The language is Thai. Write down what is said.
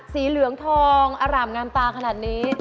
สีเหลืองทองอร่ามงามตาขนาดนี้